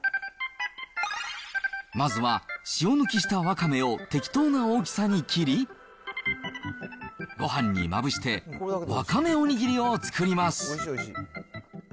まずは塩抜きしたワカメを適当な大きさに切り、ごはんにまぶして、ワカメおにぎりを作ります。